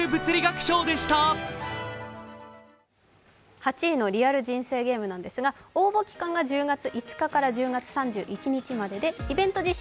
８位のリアル人生ゲームですが、応募期間が１０月５日から１０月３１日まででイベント実施